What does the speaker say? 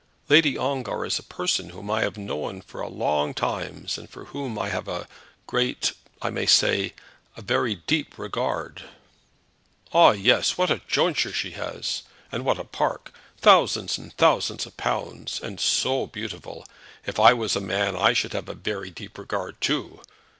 "Lady Ongar is a person whom I have known for a long time, and for whom I have a great, I may say a very deep regard." "Ah! yes. What a jointure she has! and what a park! Thousands and thousands of pounds, and so beautiful! If I was a man I should have a very deep regard too.